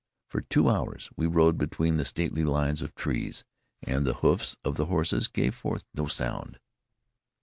For two hours we rode between the stately lines of trees, and the hoofs of the horses gave forth no sound.